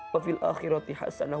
wafil akhirati hasanah